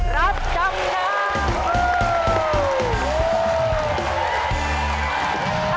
รับจำนำ